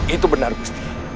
itu benar gusti